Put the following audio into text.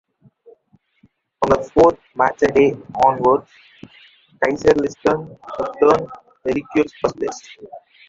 From the fourth matchday onwards Kaiserslautern would not relinquish first place.